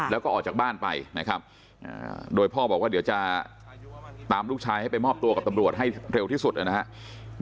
แล้วก็ออกจากบ้านไปนะครับโดยพ่อบอกว่าเดี๋ยวจะตามลูกชายให้ไปมอบตัวกับตำรวจให้เร็วที่สุดนะครับ